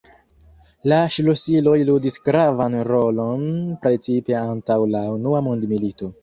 La ŝlosiloj ludis gravan rolon precipe antaŭ la unua mondmilito.